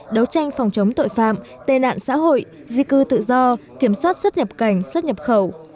đấu tranh phòng chống tội phạm tệ nạn xã hội di cư tự do kiểm soát xuất nhập cảnh xuất nhập khẩu